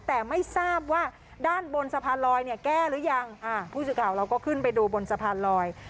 แต่ไม่ทราบว่าด้านบนสะพานลอยเนี่ยแก้หรือยังอ่าผู้สื่อข่าวเราก็ขึ้นไปดูบนสะพานลอย